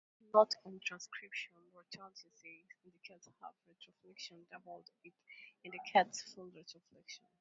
Note on transcription: rhoticity indicates half-retroflexion; doubled it indicates full retroflexion.